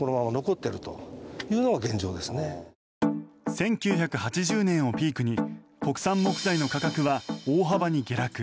１９８０年をピークに国産木材の価格は大幅に下落。